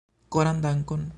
Koran dankon